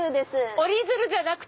折り鶴じゃなくて？